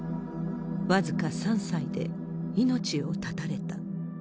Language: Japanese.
僅か３歳で命を絶たれた。